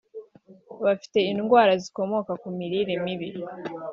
bafite indwara zikomoka ku mirire mibi